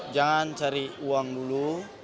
jangan cari uang dulu